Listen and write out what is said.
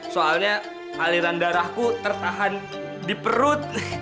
soalnya aliran darahku tertahan di perut